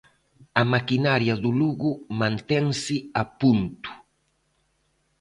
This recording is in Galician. A maquinaria do Lugo mantense a punto.